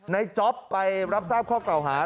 นายจ๊อปไปรับทราบข้อเกะหา